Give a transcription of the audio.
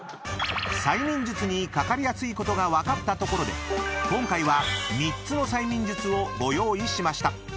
［催眠術にかかりやすいことが分かったところで今回は３つの催眠術をご用意しました］